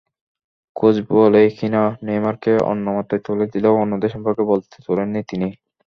Coach বলেই কিনা, নেইমারকে অন্যমাত্রায় তুলে দিলেও অন্যদের সম্পর্কে বলতে তোলেননি তিনি।